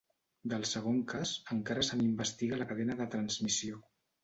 Del segon cas, encara se n’investiga la cadena de transmissió.